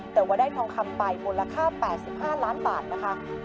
แต่ว่าได้ทองคำไปมูลค่า๘๕ล้านบาทนะคะ